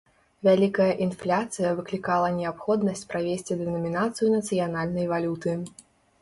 Вялікая інфляцыя выклікала неабходнасць правесці дэнамінацыю нацыянальнай валюты.